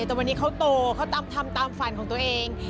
แต่วันนี้เขาโตเขาทำตามฝันของตัวเอง